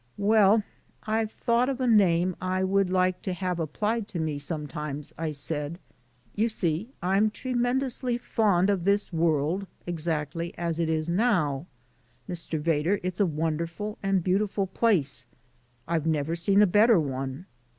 "Well, I've thought of a name I would like to have applied to me sometimes," I said. "You see I'm tremendously fond of this world exactly as it is now. Mr. Vedder, it's a wonderful and beautiful place! I've never seen a better one.